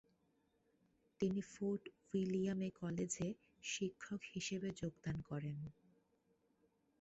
তিনি ফোর্ট উইলিয়ামে কলেজে শিক্ষক হিসেবে যোগদান করেন।